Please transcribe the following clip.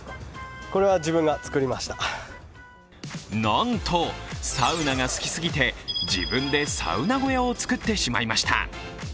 なんと、サウナが好きすぎて自分でサウナ小屋を作ってしまいました。